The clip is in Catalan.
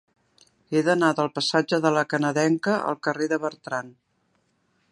He d'anar del passatge de La Canadenca al carrer de Bertran.